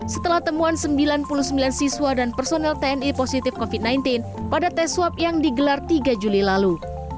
setelah temuan sembilan puluh sembilan siswa dan personel tni positif covid sembilan belas pada tes swab yang digelar tiga juli lalu